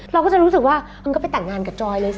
เราก็จะรู้สึกว่ามันก็ไปแต่งงานกับจอยเลยสิ